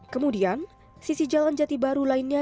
kemudian sisi jalan jati baru lainnya